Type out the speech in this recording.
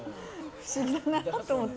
不思議だなと思って。